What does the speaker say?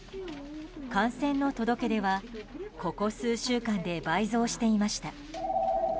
感染の届け出はここ数週間で倍増していました。